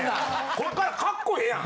こっからカッコええやん。